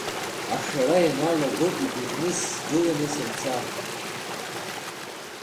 Ашара ианалагоуп игәаӷьны сгыланы санца.